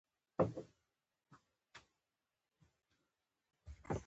ګڼ کلیوال هم په کاروان باندې را ګډ شول.